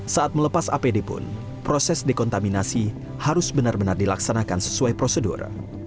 saat melepas apd pun proses dekontaminasi harus benar benar dilaksanakan sesuai prosedur